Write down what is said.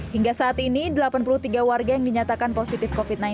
hingga saat ini delapan puluh tiga warga yang dinyatakan positif covid sembilan belas